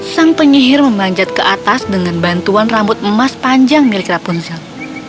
sang penyihir memanjat ke atas dengan bantuan rambut emas panjang milik rapunzel